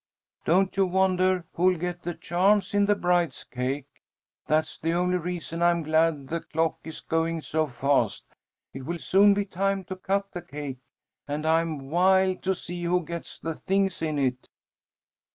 Don't you wonder who'll get the charms in the bride's cake? That's the only reason I am glad the clock is going so fast. It will soon be time to cut the cake, and I'm wild to see who gets the things in it."